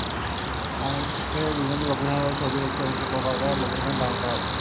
বাংলাদেশের বিভিন্ন লোকেশন ছাড়াও ছবির একটা অংশ কলকাতার লোকেশনে ধারণ করা হবে।